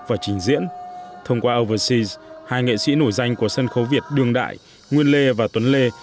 và trình diễn thông qua overseas hai nghệ sĩ nổi danh của sân khấu việt đương đại nguyên lê và tuấn lê